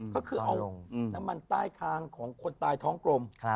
ก็คือเอาน้ำมันใต้คางของคนตายท้องกลม